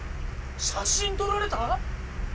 写真撮られた？